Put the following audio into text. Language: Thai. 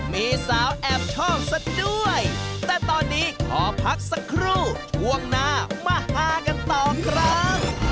ไม่อยากหาเพื่อเจออะไร